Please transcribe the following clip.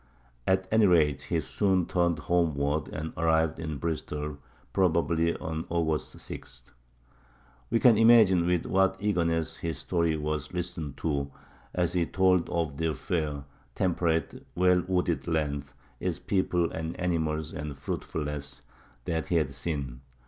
At any rate, he soon turned homeward, and arrived in Bristol probably on August 6. We can imagine with what eagerness his story was listened to, as he told of the fair, temperate, well wooded land, its people and animals and fruitfulness, that he had seen.